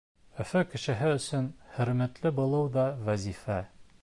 Өфө кешеһе өсөн хөрмәтле булыу ҙа вазифа.